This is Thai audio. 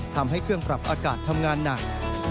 ทำให้เครื่องปรับอากาศทำงานหนัก